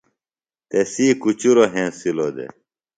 تسی کُچُروۡ ہینسِلوۡ دےۡ۔